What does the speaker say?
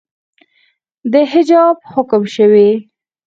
د حجاب حکم شوئ